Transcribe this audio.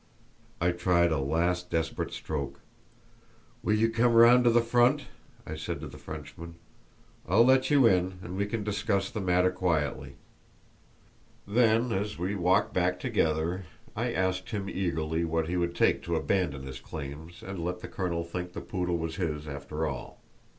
I tried a last desperate stroke. "Will you come round to the front?" I said to the Frenchman. "I'll let you in, and we can discuss the matter quietly." Then, as we walked back together, I asked him eagerly what he would take to abandon his claims and let the colonel think the poodle was his after all.